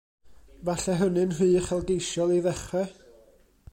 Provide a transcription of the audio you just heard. Falle hynny'n rhy uchelgeisiol i ddechrau?